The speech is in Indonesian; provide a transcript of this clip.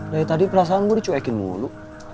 dari tadi perasaan gue dicuekin mulu